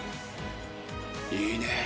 いいね。